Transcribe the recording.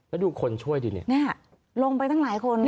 แล้วดูคนช่วยดิลงไปตั้งหลายคน